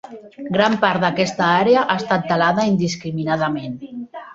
Gran part d'aquesta àrea ha estat talada indiscriminadament.